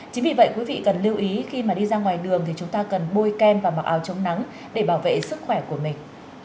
chính vì vậy quý vị cần lưu ý khi mà đi ra ngoài đường thì chúng ta cần bôi kem và mặc áo chống nắng để bảo vệ sức khỏe của mình